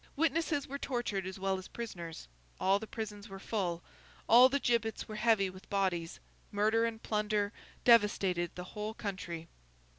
Witnesses were tortured as well as prisoners. All the prisons were full; all the gibbets were heavy with bodies; murder and plunder devastated the whole country.